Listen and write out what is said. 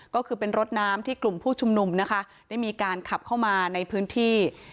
ก็คือเป็นรถน้ำที่กลุ่มผู้ชุมนุมนะคะได้มีการขับเข้ามาในพื้นที่